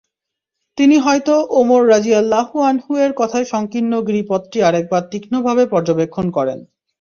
তিনি হযরত ওমর রাযিয়াল্লাহু আনহু এর কথায় সংকীর্ণ গিরিপথটি আরেকবার তীক্ষ্ণভাবে পর্যবেক্ষণ করেন।